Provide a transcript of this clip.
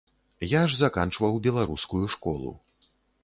Я ж заканчваў беларускую школу.